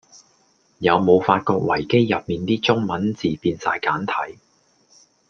有無發覺維基入面啲中文字變哂簡體?